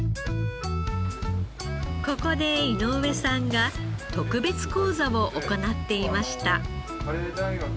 ここで井上さんが特別講座を行っていました。